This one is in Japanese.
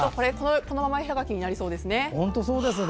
このまま絵はがきになりそうですね。